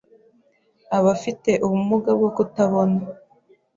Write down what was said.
abafite ubumuga bwo kutabona